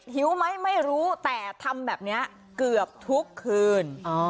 หิวไหมไม่รู้แต่ทำแบบนี้เกือบทุกคืน